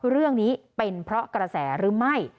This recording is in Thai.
เรื่องนี้เป็นเพราะกระแสหรือไม่